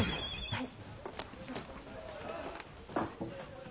はい。